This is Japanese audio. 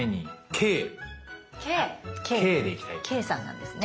「Ｋ」さんなんですね？